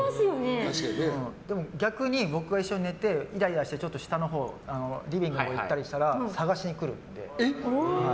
でも、逆に僕が一緒に寝てイライラしてちょっとリビングへ行ったりしたら探しに来るので。